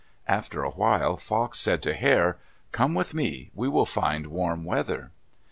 After a while Fox said to Hare, "Come with me. We will find warm weather."